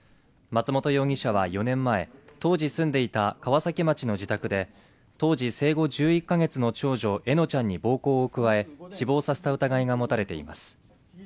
松本容疑者は４年前当時住んでいた川崎町の自宅で当時生後１１か月の長女笑乃ちゃんに暴行を加え死亡させた疑いが持たれています